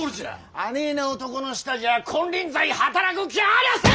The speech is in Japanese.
あねえな男の下じゃあ金輪際働く気はありゃあせん！